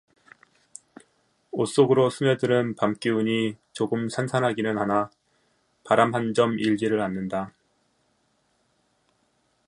옷 속으로 스며드는 밤기운이 조금 산산하기는 하나 바람 한 점 일지를 않는다.